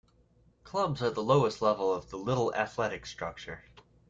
Clubs are the lowest level of the Little Athletics structure.